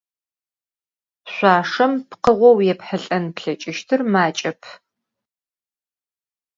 Şüaşşem pkhığou yêphılh'en plheç'ıştır maç'ep.